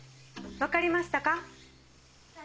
わかりましたか？